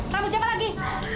rambut siapa lagi